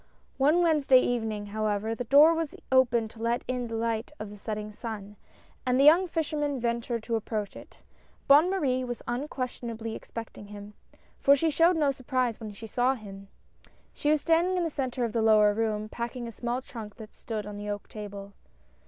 One Wednesday evening, however, the door was opened to let in the light of the setting sun, and the young fisherman ventured to approach it. Bonne Marie was unquestionably expecting him, for she 62 DEP AKTURE. showed no surprise when she saw him. She was stand ing in the centre of the lower room, packing a small trunk that stood on the oak table.